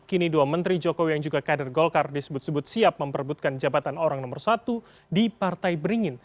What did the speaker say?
kini dua menteri jokowi yang juga kader golkar disebut sebut siap memperbutkan jabatan orang nomor satu di partai beringin